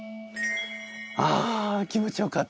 あ気持ちよかった。